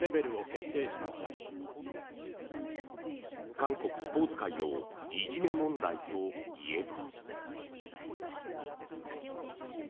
韓国スポーツ界のいじめ問題といえば。